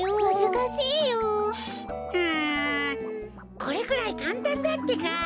これくらいかんたんだってか。